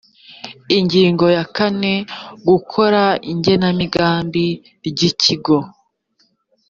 ingingo ya kane gukora igenamigambi ry ikigo